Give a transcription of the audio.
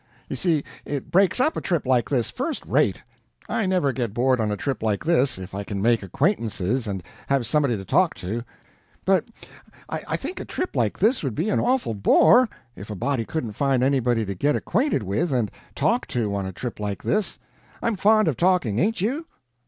"You see it breaks up a trip like this, first rate. I never got bored on a trip like this, if I can make acquaintances and have somebody to talk to. But I think a trip like this would be an awful bore, if a body couldn't find anybody to get acquainted with and talk to on a trip like this. I'm fond of talking, ain't you?